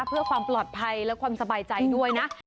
เพื่อความปลอดภัยและความสบายใจด้วยนะ